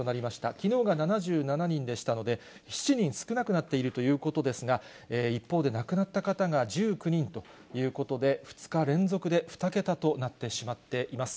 きのうが７７人でしたので、７人少なくなっているということですが、一方で亡くなった方が１９人ということで、２日連続で２桁となってしまっています。